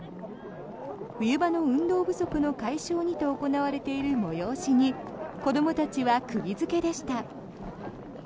冬場の運動不足の解消にと行われている催しに子どもたちは釘付けでした。